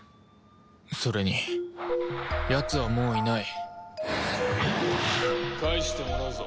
それにやつはもういない返してもらうぞ俺自身を！